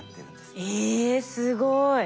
えすごい。